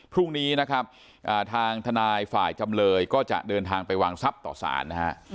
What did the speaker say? พรุ่งนี้นะครับทางทนายฝ่ายจำเลยก็จะเดินทางไปวางทรัพย์ต่อสารนะฮะ